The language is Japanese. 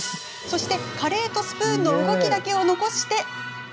そして、カレーとスプーンの動きだけを残し